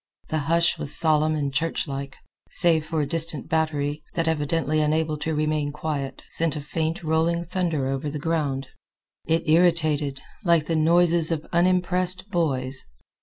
The hush was solemn and churchlike, save for a distant battery that, evidently unable to remain quiet, sent a faint rolling thunder over the ground. It irritated, like the noises of unimpressed boys.